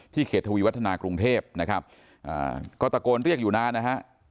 เขตทวีวัฒนากรุงเทพนะครับก็ตะโกนเรียกอยู่นานนะฮะ